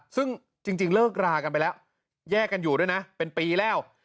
ซึ่งจริงเลิกรากันไปแล้วแยกกันอยู่ด้วยนะเป็นปีแล้ว